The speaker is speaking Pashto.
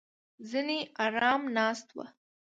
ځینې ارامه ناست وو.